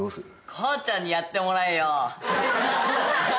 母ちゃんにやってもらえよ。